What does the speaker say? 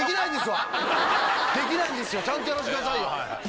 ちゃんとやらせてくださいよ